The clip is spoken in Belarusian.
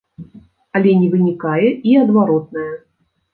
Але не вынікае і адваротнае.